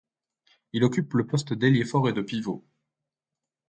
Il occupe le poste d'ailier fort et de pivot.